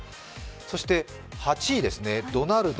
そして８位ですね、ドナルド。